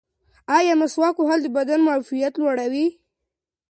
ایا مسواک وهل د بدن معافیت لوړوي؟